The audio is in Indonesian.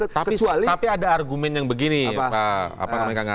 tapi ada argumen yang begini pak